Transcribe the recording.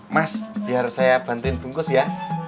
mas biar saya bantuin bungkus ya